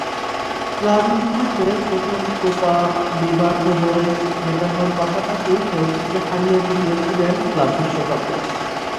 ক্লাব–ইতিহাসে প্রথম Copa Libertadores জেতানোর পাশাপাশি চেলসিকে হারিয়ে জিতিয়েছিলেন ক্লাব বিশ্বকাপও।